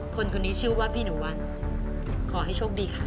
คนคนนี้ชื่อว่าพี่หนุวัลขอให้ช่วยมากครับ